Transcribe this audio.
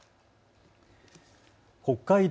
北海道